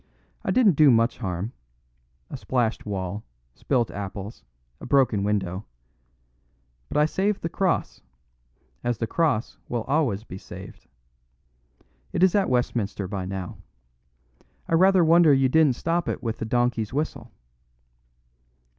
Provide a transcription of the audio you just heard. I didn't do much harm a splashed wall, spilt apples, a broken window; but I saved the cross, as the cross will always be saved. It is at Westminster by now. I rather wonder you didn't stop it with the Donkey's Whistle."